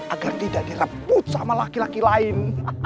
agar tidak direbut sama laki laki lain